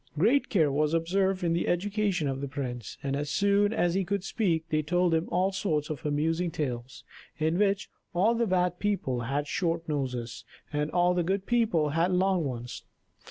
Great care was observed in the education of the prince; and as soon as he could speak they told him all sorts of amusing tales, in which all the bad people had short noses, and all the good people had long ones.